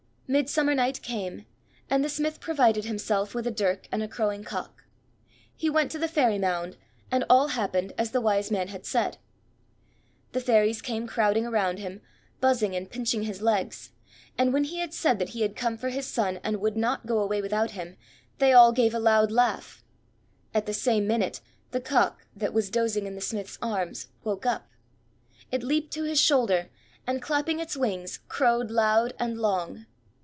Midsummer Night came, and the smith provided himself with a dirk and a crowing cock. He went to the Fairy Mound, and all happened as the Wise man had said. The Fairies came crowding around him, buzzing and pinching his legs; and when he said that he had come for his son, and would not go away without him, they all gave a loud laugh. At the same minute the cock, that was dozing in the smith's arms, woke up. It leaped to his shoulder, and, clapping its wings, crowed loud and long.